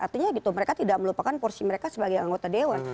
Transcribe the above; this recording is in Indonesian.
artinya gitu mereka tidak melupakan porsi mereka sebagai anggota dewan